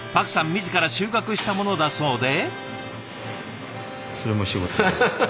自ら収穫したものだそうで。